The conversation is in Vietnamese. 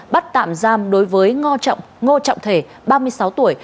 bắt tạm giam đối với ngô trọng thể ba mươi sáu tuổi